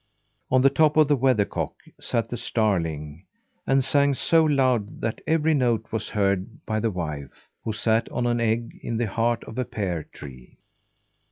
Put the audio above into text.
On the top of the weathercock sat the starling, and sang so loud that every note was heard by the wife, who sat on an egg in the heart of a pear tree.